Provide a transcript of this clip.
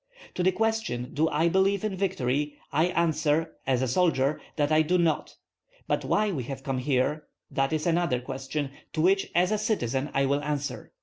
To the question do I believe in victory I answer, as a soldier, that I do not. But why we have come here, that is another question, to which as a citizen I will answer.